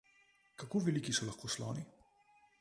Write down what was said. Kako veliki so lahko sloni?